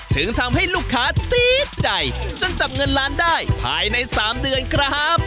ถึงทำให้ลูกค้าตี๊ดใจจนจับเงินล้านได้ภายใน๓เดือนครับ